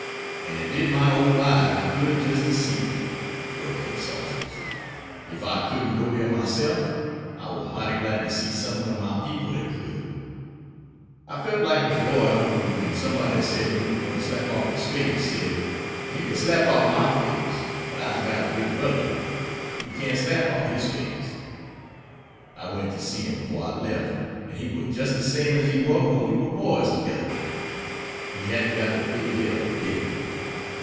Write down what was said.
"An' it did my ole eyes good jist ter see it," broke in Salters; "if I couldn't go dere myself, I war mighty glad to see some one ob my people dat could. I felt like de boy who, wen somebody said he war gwine to slap off his face, said, 'Yer kin slap off my face, but I'se got a big brudder, an' you can't slap off his face.' I went to see him 'fore I lef, and he war jist de same as he war wen we war boys togedder. He hadn't got de big head a bit."